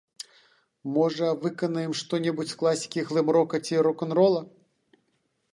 Можа, выканаем што-небудзь з класікі глэм-рока ці рок-н-рола.